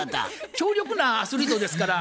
強力なアスリートですから。